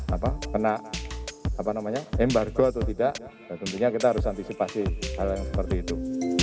apa kena apa namanya embargo atau tidak tentunya kita harus antisipasi hal yang seperti itu